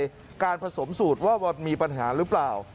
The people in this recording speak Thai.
ไม่มั่นใจการผสมสูตรว่ามีปัญหาหรือเปล่า